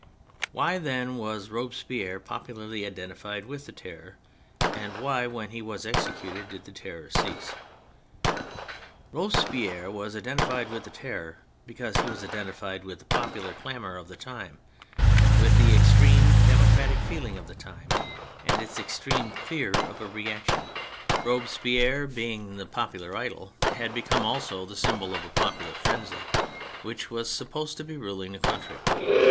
Why, then, was Robespierre popularly identified with the Terror, and why, when he was executed, did the Terror cease ? Robespierre was identified with the Terror because he was identified with the popular clamour of the time, with the extreme demo cratic feeling of the time, and its extreme fear of a reaction. Robespierre being the popular THE CHARACTERS 81 idol, had become also the symbol of a popular frenzy which was supposed to be ruling the country.